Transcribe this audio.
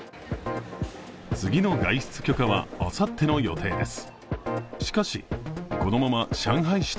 次の外出許可はあさっての予定です。